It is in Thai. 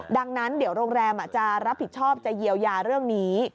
ดังนั้นเดี๋ยวโรงแรมจะรับผิดชอบจะเยียวยาเรื่องนี้